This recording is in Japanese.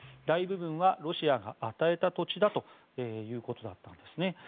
大部分はロシアが与えた土地だということだったんです。